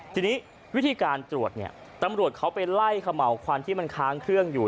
ทีนี้วิธีการตรวจเนี่ยตำรวจเขาไปไล่ขม่าวควันที่มันค้างเครื่องอยู่